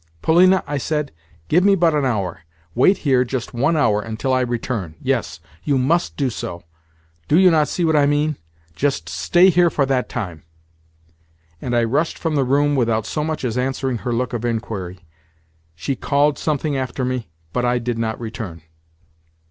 "Polina," I said, "give me but an hour. Wait here just one hour until I return. Yes, you MUST do so. Do you not see what I mean? Just stay here for that time." And I rushed from the room without so much as answering her look of inquiry. She called something after me, but I did not return.